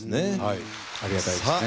ありがたいですね。